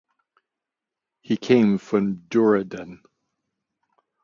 He came from Dehradun.